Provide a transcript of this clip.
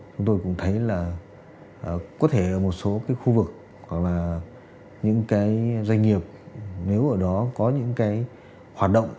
chúng tôi cũng thấy là có thể ở một số cái khu vực gọi là những cái doanh nghiệp nếu ở đó có những cái hoạt động